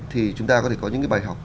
thì chúng ta có thể có những cái bài học